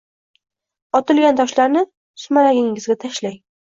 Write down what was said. Otilgan toshlarni sumalagingizga tashlang.